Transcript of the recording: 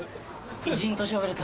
偉人としゃべれた。